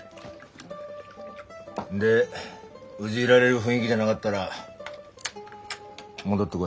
でうぢいられる雰囲気じゃながったら戻ってこい。